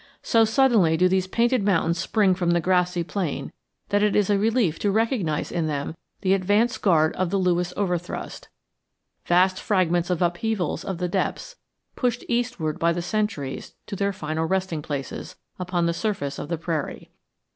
So suddenly do these painted mountains spring from the grassy plain that it is a relief to recognize in them the advance guard of the Lewis Overthrust, vast fragments of the upheavals of the depths pushed eastward by the centuries to their final resting places upon the surface of the prairie.